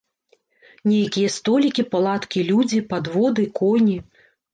Нейкія столікі, палаткі, людзі, падводы, коні.